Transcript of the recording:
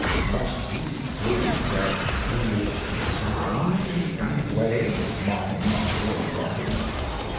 Must he prove that he is sound in any way, mind or body?